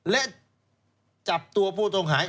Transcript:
และจับตัวผู้ต้องหา